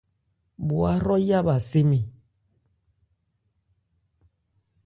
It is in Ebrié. Bho hrɔ́yá bha sé mɛn.